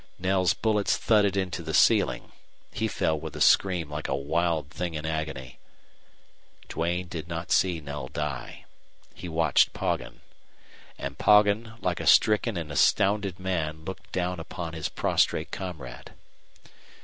Knell's bullets thudded into the ceiling. He fell with a scream like a wild thing in agony. Duane did not see Knell die. He watched Poggin. And Poggin, like a stricken and astounded man, looked down upon his prostrate comrade.